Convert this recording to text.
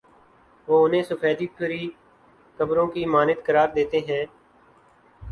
وہ انہیں سفیدی پھری قبروں کی مانند قرار دیتے ہیں۔